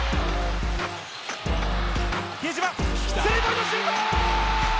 比江島、スリーポイントシュート！